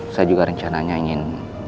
saya juga rencananya ingin